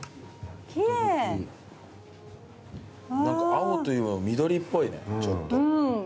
何か青というよりも緑っぽいねちょっと。